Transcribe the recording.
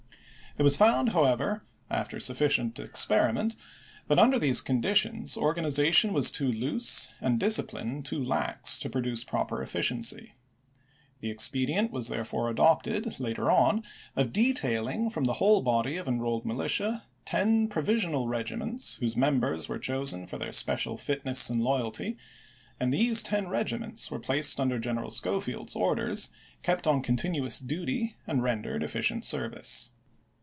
It was found, however, after sufficient experiment, that under these conditions organization was too loose and discipline too lax to produce proper efficiency. The expedient was therefore adopted, later on, of detailing from the whole body of Enrolled Militia ten provisional regiments whose members were chosen for their special fitness and loyalty, and these ten regiments were placed under Greneral Schofield's orders, kept on continuous duty, and rendered efficient service.